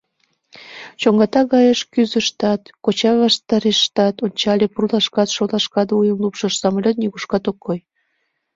Чоҥгата гайыш кӱзыштат, коча ваштарешат ончале, пурлашкат, шолашкат вуйым лупшыш — самолёт нигуштат ок кой.